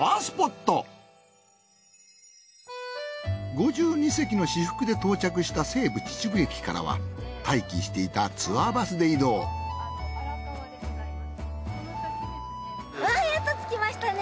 「５２席の至福」で到着した西武秩父駅からは待機していたツアーバスで移動やっと着きましたね。